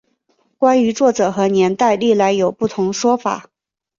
关于作者和年代历来有不同说法。